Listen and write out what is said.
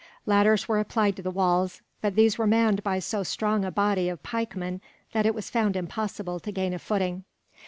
Ladders were applied to the walls, but these were manned by so strong a body of pikemen that it was found impossible to gain a footing.